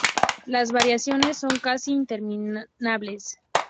Las variaciones son casi interminables.